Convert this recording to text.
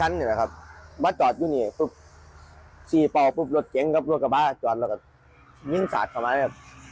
ชั้นนี่แหละครับป๊าจอดอยู่นี่ซีปอลลัดเก้งกับรถกระป๊าจอดก็ยิ่งสากเข้ามาเลย